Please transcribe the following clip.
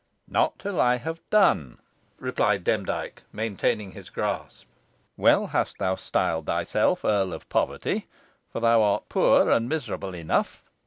"Not till I have done," replied Demdike, maintaining his grasp. "Well hast thou styled thyself Earl of Poverty, for thou art poor and miserable enough.